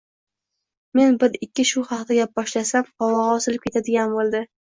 Men bir-ikki shu haqda gap boshlasam, qovog'i osilib ketadigan bo'ldi